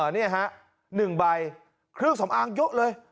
นี่ฮะ๑ใบเครื่องสำอางเยอะเลย